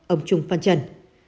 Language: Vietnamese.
ông trung phân trần